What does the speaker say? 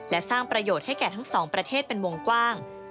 และสร้างประโยชน์ให้แก่ทั้งสองประเทศเป็นวงกว้าง